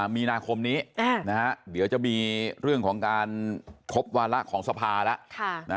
มีนาคมนี้เดี๋ยวจะมีเรื่องของการครบวาระของสภาแล้ว